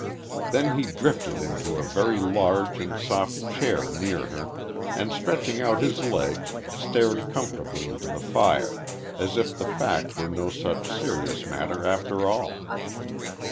Then he drifted into a very large and soft chair near her, and, stretching out his legs, stared comfortably into the fire as if the fact were no such serious matter, after all.